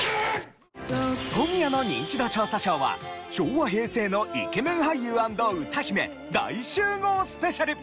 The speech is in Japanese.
今夜の『ニンチド調査ショー』は昭和平成のイケメン俳優＆歌姫大集合スペシャル！